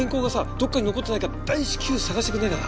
どこかに残ってないか大至急探してくれないかな？